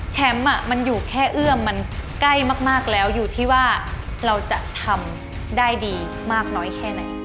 แชมป์มันอยู่แค่เอื้อมมันใกล้มากแล้วอยู่ที่ว่าเราจะทำได้ดีมากน้อยแค่ไหน